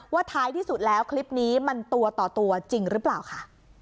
ท้ายที่สุดแล้วคลิปนี้มันตัวต่อตัวจริงหรือเปล่าค่ะ